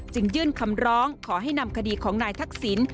ยื่นคำร้องขอให้นำคดีของนายทักษิณ